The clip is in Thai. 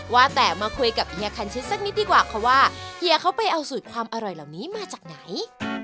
ว่าแต่มาคุยกับเฮียคันชิดสักนิดดีกว่าค่ะว่าเฮียเขาไปเอาสูตรความอร่อยเหล่านี้มาจากไหน